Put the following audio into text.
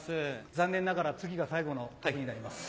残念ながら次が最後の曲になります。